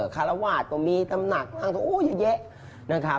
คารวาสตร์ตรงนี้น้ำหนักอ้างตรงนี้โอ๊ยเยอะ